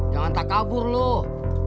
jangan tak kabur loh